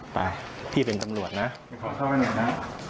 ไปพี่เป็นตำรวจนะไปขอเข้ามาหน่อยนะ